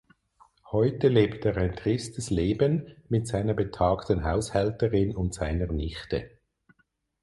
Heute lebt er ein tristes Leben mit seiner betagten Haushälterin und seiner Nichte.